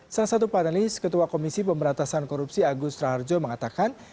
salah satu panelis ketua komisi pemberantasan korupsi agus raharjo mengatakan